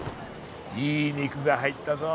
いい肉が入ったぞ。